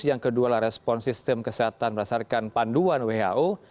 yang kedua adalah respons sistem kesehatan berdasarkan panduan who